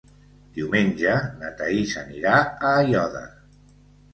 Diumenge na Thaís anirà a Aiòder.